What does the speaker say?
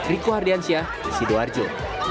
riko hardiansyah sido arjo